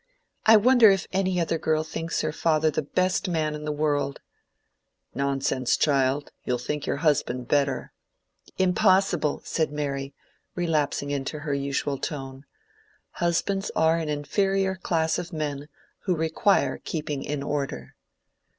"I wonder if any other girl thinks her father the best man in the world!" "Nonsense, child; you'll think your husband better." "Impossible," said Mary, relapsing into her usual tone; "husbands are an inferior class of men, who require keeping in order."